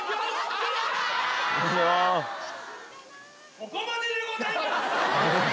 ここまででございます！